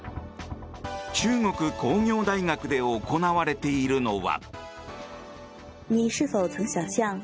中国鉱業大学で行われているのは。